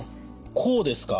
こうですか？